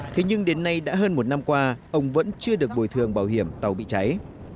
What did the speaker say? thế nhưng đến nay đã hơn một năm qua ông vẫn chưa được bồi thường bảo hiểm tàu bị cháy